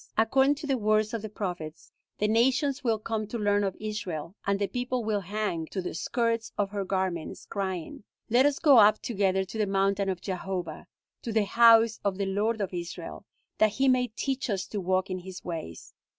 According to the words of the prophets, the nations will come to learn of Israel, and the people will hang to the skirts of her garments, crying, 'Let us go up together to the mountain of Jehovah, to the house of the Lord of Israel, that he may teach us to walk in his ways.'